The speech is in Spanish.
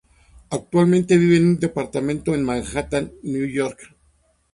Actualmente viven en un departamento en Manhattan, New York.